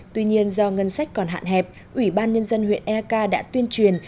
tuy nhiên do ngân sách còn hạn hẹp ủy ban nhân dân huyện eak đã tuyên truyền